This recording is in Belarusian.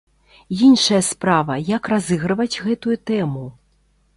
Іншая справа, як разыгрываць гэтую тэму?